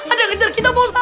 ada ngejar kita